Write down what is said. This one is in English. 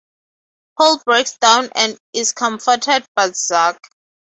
Paul breaks down and is comforted by Zach.